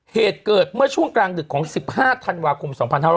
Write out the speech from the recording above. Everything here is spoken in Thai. เหตุเกิดเมื่อช่วงกลางดึกของ๑๕ธันวาคม๒๕๖๐